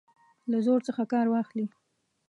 له زور څخه کار واخلي.